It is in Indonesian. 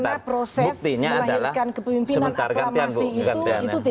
karena proses melahirkan kepemimpinan aplamasi itu tidak terukur